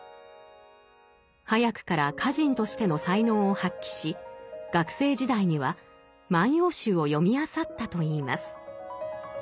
早くから歌人としての才能を発揮し学生時代には「万葉集」を読みあさったといいます。